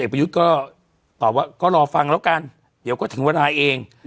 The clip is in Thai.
ปนาปไตยุธก็รอฟังแล้วกันเดี๋ยวก็ถึงเวลาเอง